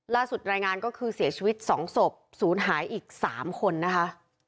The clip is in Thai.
รายงานก็คือเสียชีวิต๒ศพศูนย์หายอีก๓คนนะคะ